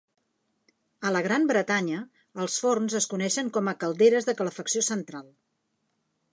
A la Gran Bretanya, els forns es coneixen com a calderes de calefacció central